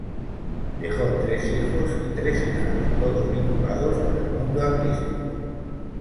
Dejó tres hijos y tres hijas, todos vinculados con el mundo artístico.